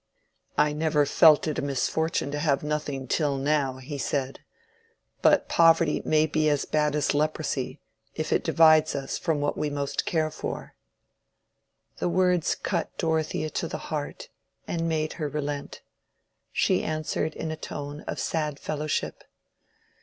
"I never felt it a misfortune to have nothing till now," he said. "But poverty may be as bad as leprosy, if it divides us from what we most care for." The words cut Dorothea to the heart, and made her relent. She answered in a tone of sad fellowship.